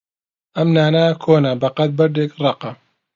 ئەم نانە کۆنە بەقەد بەردێک ڕەقە.